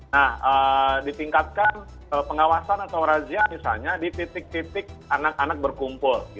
nah ditingkatkan pengawasan atau razia misalnya di titik titik anak anak berkumpul